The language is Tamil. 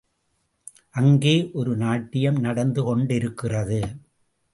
அங்கே ஒரு நாட்டியம் நடந்து கொண்டிருக்கிறது.